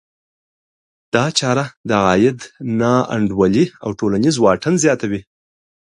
دا چاره د عاید نا انډولي او ټولنیز واټن زیاتوي.